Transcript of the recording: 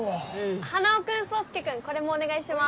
花男君草介君これもお願いします。